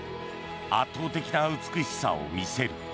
圧倒的な美しさを見せる。